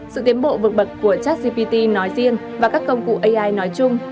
sự tiến bộ vực bật của chắc gpt nói riêng và các công cụ ai nói chung